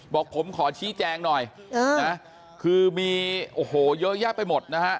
บอกผมขอชี้แจงหน่อยนะคือมีโอ้โหเยอะแยะไปหมดนะฮะ